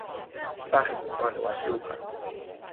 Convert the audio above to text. სახეს მწვანე ვაშლი უფარავს.